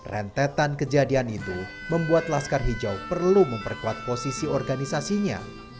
rentetan kejadian itu membuat laskar hijau perlu memperkuat posisi organisasinya